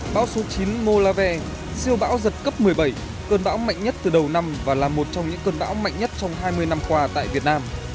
bão số chín mô la ve siêu bão giật cấp một mươi bảy cơn bão mạnh nhất từ đầu năm và là một trong những cơn bão mạnh nhất trong hai mươi năm qua tại việt nam